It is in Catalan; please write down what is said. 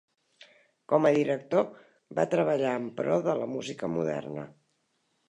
Com a director va treballar en pro de la música moderna.